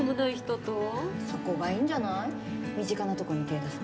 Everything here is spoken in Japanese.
そこがいいんじゃない？